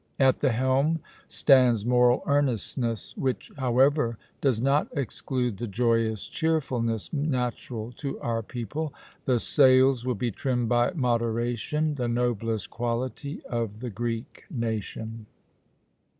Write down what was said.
At the helm stands moral earnestness, which, however, does not exclude the joyous cheerfulness natural to our people; the sails will be trimmed by moderation, the noblest quality of the Greek nation."